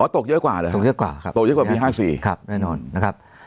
ตกเยอะกว่าเหรอตกเยอะกว่าครับตกเยอะกว่าปี๕๔แน่นอนนะครับ